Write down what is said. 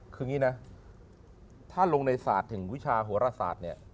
คืออย่างนี้นะถ้าลงในศาสตร์ถึงวิชาโหรศาสตร์เนี่ย